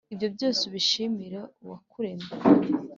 ibyo byose, ubishimire Uwakuremye,